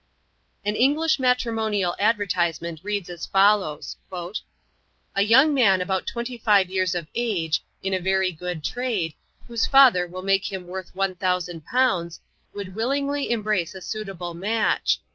An English matrimonial advertisement reads as follows: "A young man about 25 years of Age, in a very good trade, whose Father will make him worth £1000, would willingly embrace a suitable MATCH.